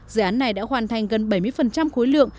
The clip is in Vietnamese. dự án này đã hoàn thành gần bảy mươi khối lượng